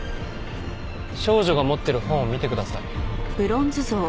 少女が持ってる本を見てください。